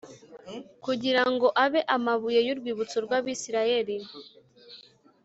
kugira ngo abe amabuye y urwibutso rw Abisirayeli